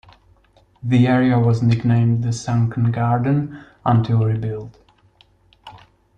The area was nicknamed the "Sunken Garden" until rebuilt.